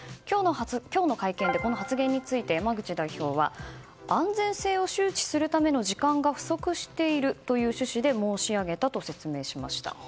今日の会見でこの発言について山口代表は安全性を周知するための時間が不足しているという趣旨で申し上げたと説明しました。